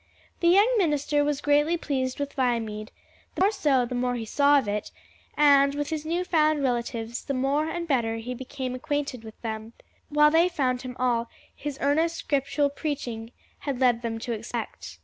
The young minister was greatly pleased with Viamede the more so the more he saw of it and with his new found relatives, the more and better he became acquainted with them; while they found him all his earnest, scriptural preaching had led them to expect.